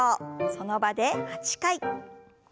その場で８回。